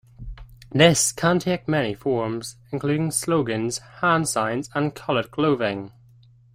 This can take many forms including slogans, hand signs and colored clothing.